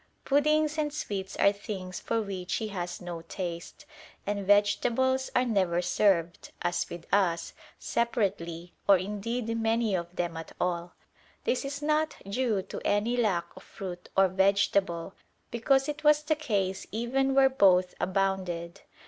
Puddings and sweets are things for which he has no taste, and vegetables are never served, as with us, separately, or indeed many of them at all. This is not due to any lack of fruit or vegetable, because it was the case even where both abounded.